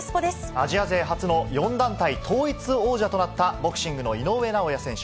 アジア勢初の４団体統一王者となったボクシングの井上尚弥選手。